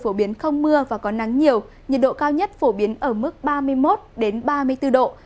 phổ biến không mưa và có nắng nhiều nhiệt độ cao nhất phổ biến ở mức ba mươi một ba mươi bốn độ